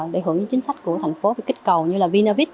để hưởng đến chính sách của thành phố về kích cầu như là vinavit